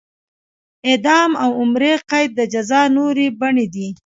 اعدام او عمري قید د جزا نورې بڼې دي.